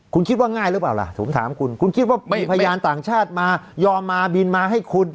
คุณคิดว่าง่ายหรือเปล่าล่ะผมถามคุณคุณคิดว่ามีพยานต่างชาติมายอมมาบินมาให้คุณ